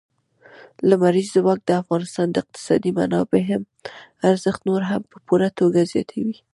لمریز ځواک د افغانستان د اقتصادي منابعم ارزښت نور هم په پوره توګه زیاتوي.